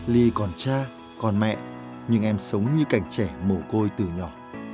ly còn cha còn mẹ nhưng em sống như cảnh trẻ mồ côi từ nhỏ